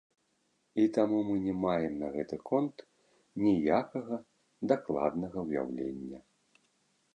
І таму мы не маем на гэты конт ніякага дакладнага ўяўлення.